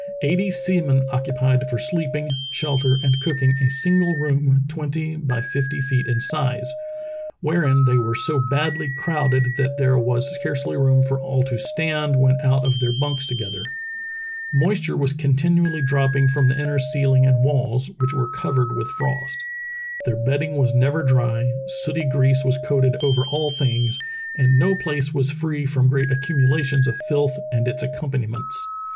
Eighty sea men occupied for sleeping, shelter, and cooking a single room twenty by fifty feet in size, wherein they were so badly crowded that there was scarcely room for all to stand when out of their bunks together. Moisture was continually dropping from the inner ceihng and walls, which were covered with frost. Their bedding was never dry, sooty grease was coated over all things, and no place was free from great accumulations of filth and its accompaniments.